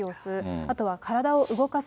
あとは体を動かす。